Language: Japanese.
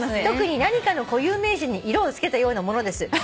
「特に何かの固有名詞に色を付けたようなものです。